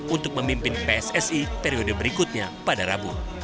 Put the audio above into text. untuk memimpin pssi periode berikutnya pada rabu